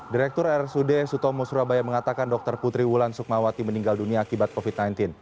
direktur rsud sutomo surabaya mengatakan dr putri wulan sukmawati meninggal dunia akibat covid sembilan belas